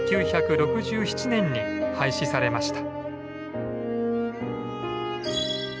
１９６７年に廃止されました。